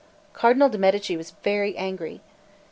Cardinal de' Medici was very angry.